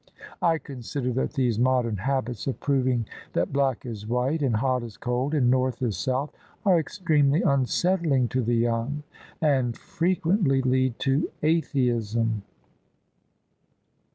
I consider that these modern habits of proving that black is white, and hot is cold, and North is South are extremely unsettling to the young, and frequently lead to atheism."